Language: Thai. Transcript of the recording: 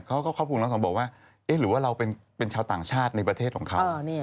เขาก็ครอบคลุมทั้งสองบอกว่าเอ๊ะหรือว่าเราเป็นชาวต่างชาติในประเทศของเขา